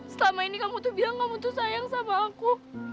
selama ini kamu tuh bilang kamu tuh sayang sama aku